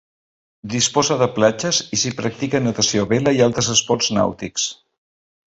Disposa de platges, i s'hi practica natació, vela i altres esports nàutics.